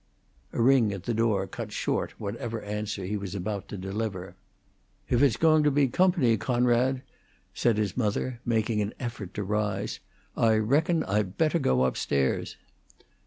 A ring at the door cut short whatever answer he was about to deliver. "If it's going to be company, Coonrod," said his mother, making an effort to rise, "I reckon I better go up stairs."